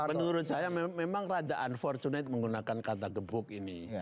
menurut saya memang raja unfortunate menggunakan kata gebuk ini